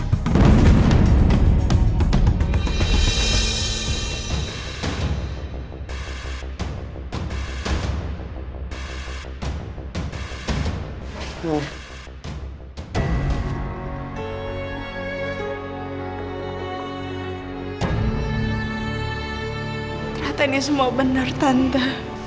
ternyata ini semua benar tante